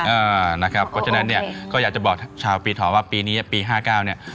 เออนะครับเพราะฉะนั้นเนี่ยก็อยากจะบอกชาวปีเทาะว่าปีนี้ปี๕๙เนี่ย